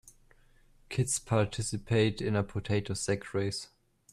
Kids participate in a potato sack race.